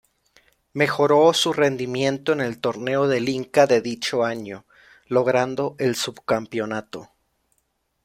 Mejoró su rendimiento en el Torneo del Inca de dicho año, logrando el subcampeonato.